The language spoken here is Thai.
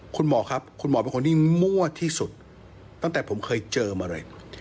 คุณหมอครับคุณหมอเป็นคนที่มั่วที่สุดตั้งแต่ผมเคยเจอมาเลย